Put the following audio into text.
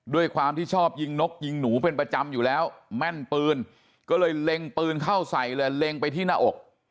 ด้วยความที่ชอบยิงนกยิงหนูเป็นประจำอยู่แล้วแม่นปืนก็เลยเล็งปืนเข้าใส่เลยเล็งไปที่หน้าอก